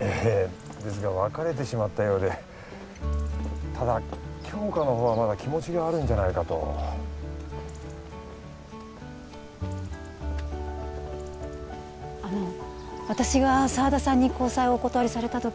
ええですが別れてしまったようでただ杏花のほうはまだ気持ちがあるんじゃないかとあの私が沢田さんに交際をお断りされた時